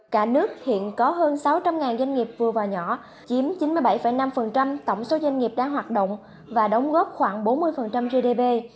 cả nước hiện có hơn sáu trăm linh doanh nghiệp vừa và nhỏ chiếm chín mươi bảy năm tổng số doanh nghiệp đã hoạt động và đóng góp khoảng bốn mươi gdp